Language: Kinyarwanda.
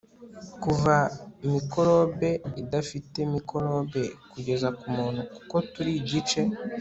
Kuva mikorobeidafite mikorobe kugeza kumuntu kuko turi igice